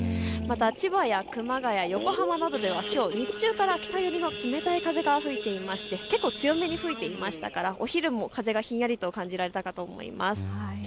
また千葉や熊谷、横浜などではきょう日中から北寄りの冷たい風が吹いていまして結構強めに吹いていましたからお昼も風がひんやりと感じられたかと思います。